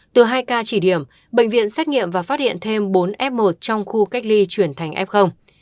từ hai ca chỉ điểm bệnh viện xét nghiệm và phát hiện thêm bốn f một trong khu cách ly chuyển thành f